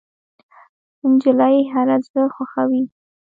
نجلۍ هر زړه خوښوي.